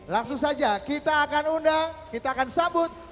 langsung saja kita akan undang kita akan sambut